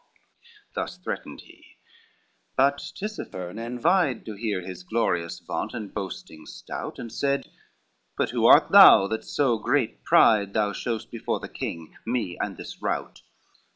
Thus threatened he, but Tisapherne envied To hear his glorious vaunt and boasting stout, And said, "But who art thou, that so great pride Thou showest before the king, me, and this rout?